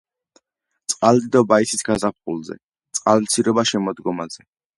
წყალდიდობა იცის გაზაფხულზე, წყალმცირობა შემოდგომაზე.